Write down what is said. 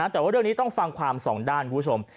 แต่ว่าเรื่องนี้ต้องฟังความสองด้านคุณผู้ชม